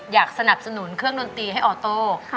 อยากสนับสนุนเครื่องดนตรีให้ออโต้